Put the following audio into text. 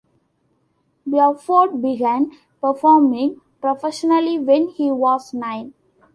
Beauford began performing professionally when he was nine.